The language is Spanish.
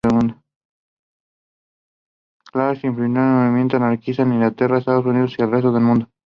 Crass influyó al movimiento anarquista en Inglaterra, Estados Unidos y resto del mundo.